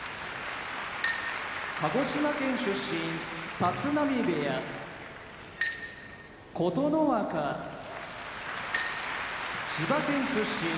鹿児島県出身立浪部屋琴ノ若千葉県出身